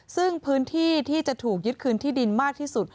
ซึ่งพื้นที่ที่จะถูกยึดคืนที่ดินมากที่สุด